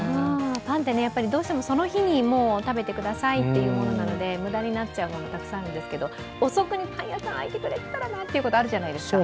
パンってどうしてもその日に食べてくださいというものなので無駄になっちゃうものたくさんあるんですけど遅くにパン屋さん、開いてくれてたらなと思うことがあるじゃないですか。